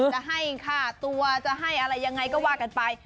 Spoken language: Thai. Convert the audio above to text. จะให้ค่าตัวจะให้อะไรยังไงก็ว่ากันไป